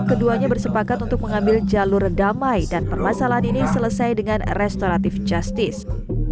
keduanya bersepakat untuk mengambil jalur damai dan permasalahan ini selesai dengan restoratif justice